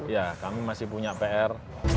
ya kami masih punya pr